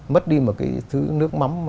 mất đi một cái thứ nước mắm